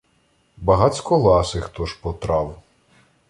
Багацько ласих тож потрав.